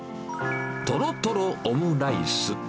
とろとろオムライス。